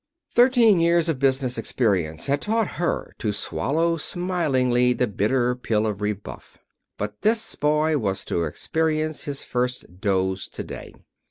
Thirteen years of business experience had taught her to swallow smilingly the bitter pill of rebuff. But this boy was to experience his first dose to day.